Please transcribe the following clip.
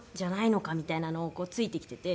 みたいなのをこうついてきてて。